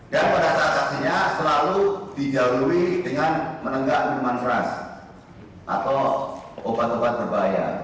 dan pada saat aksinya selalu dijauh jauh dengan menenggak minuman keras atau obat obat berbahaya